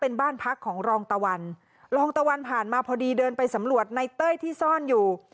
เป็นบ้านพักของรองตะวันรองตะวันผ่านมาพอดีเดินไปสำรวจในเต้ยที่ซ่อนอยู่